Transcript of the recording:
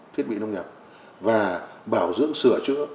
thiết bị nông nghiệp và bảo dưỡng sửa chữa